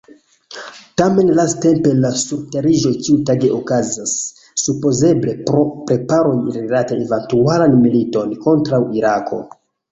Tamen lastatempe la surteriĝoj ĉiutage okazas, supozeble pro preparoj rilate eventualan militon kontraŭ Irako.